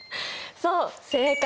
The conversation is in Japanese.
そう正解。